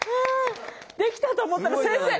できたと思ったら先生